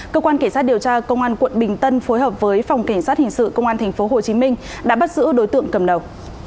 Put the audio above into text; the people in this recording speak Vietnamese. cơ quan cảnh sát điều tra công an quận bình tân phối hợp với phòng cảnh sát hình sự công an tp hcm đã bắt giữ đối tượng cầm đầu